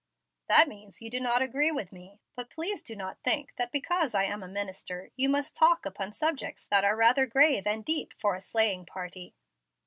"That means you do not agree with me. But please do not think that because I am a minister you must talk upon subjects that are rather grave and deep for a sleighing party."